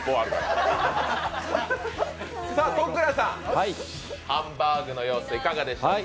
戸倉さん、ハンバーグの様子いかがでしょうか？